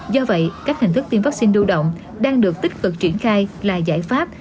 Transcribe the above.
do vậy các hình thức tiêm vắc xin lưu động đang được tích cực triển khai là giải pháp